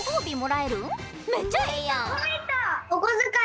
めっちゃええやん。